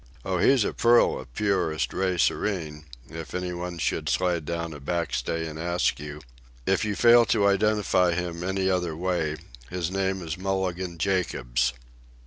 Oh, he's a pearl of purest ray serene, if anybody should slide down a backstay and ask you. If you fail to identify him any other way, his name is Mulligan Jacobs."